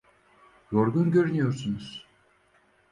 Yorgun görünüyorsunuz.